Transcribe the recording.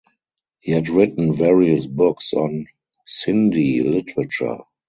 He had written various books on Sindhi literature.